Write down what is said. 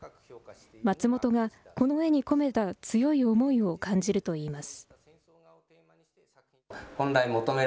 松本がこの絵にこめた強い思いを感じるといいます。